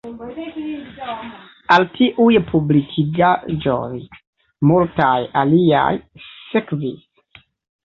Al tiuj publikigaĵoj multaj aliaj sekvis.